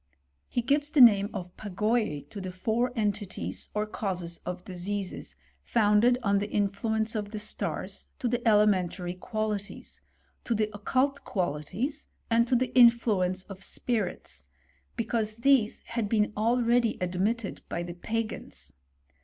He gives the name o^pagoyce to the four entities, or causes of diseases, founded on the influence of the stars, to the elementary qualities ; to the occult qualities, and to the influence of spirits; because these had been already admitted by the Pagans.